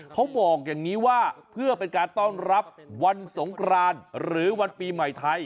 เขาบอกอย่างนี้ว่าเพื่อเป็นการต้อนรับวันสงกรานหรือวันปีใหม่ไทย